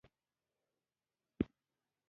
• لور د مور د زړسوي پناه ده.